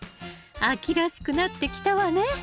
秋らしくなってきたわね。